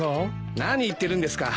何言ってるんですか。